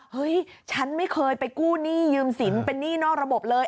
เฮ้ยฉันไม่เคยไปกู้หนี้ยืมสินเป็นหนี้นอกระบบเลย